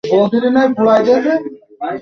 নৈনিতাল শহরে জেলা সদর দপ্তর অবস্থিত।